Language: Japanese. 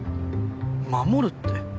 守るって。